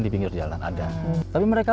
di pinggir jalan ada tapi mereka